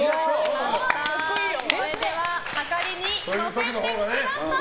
それでははかりに載せてください。